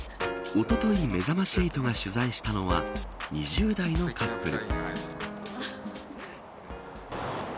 おとといめざまし８が取材したのは２０代のカップル。